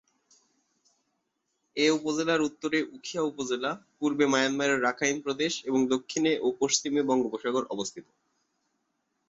এ উপজেলার উত্তরে উখিয়া উপজেলা, পূর্বে মায়ানমারের রাখাইন প্রদেশ এবং দক্ষিণে ও পশ্চিমে বঙ্গোপসাগর অবস্থিত।